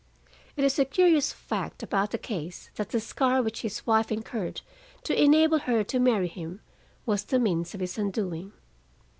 It is a curious fact about the case that the scar which his wife incurred to enable her to marry him was the means of his undoing.